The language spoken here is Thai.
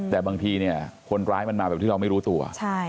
แต่บางทีเนี่ยคนร้ายมันมาแบบที่เราไม่รู้ตัว